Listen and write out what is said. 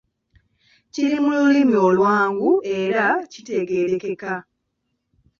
Kiri mu lulimi olwangu era kitegeerekeka.